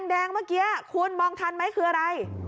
แดงเมื่อกี้คุณมองทันไหมคืออะไร